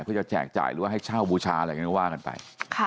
เพื่อจะแจกจ่ายหรือว่าให้เช่าบูชาอะไรกันก็ว่ากันไป